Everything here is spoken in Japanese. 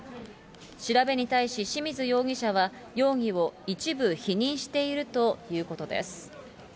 調べに対し、清水容疑者は容疑を一部否認しているということです。